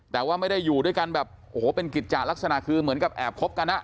แต่ว่าไม่ได้อยู่ด้วยกันแบบโอ้โหเป็นกิจจะลักษณะคือเหมือนกับแอบคบกัน